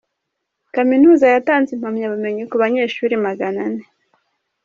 Kaminuza yatanze impamyabumenyi ku banyeshuri maganane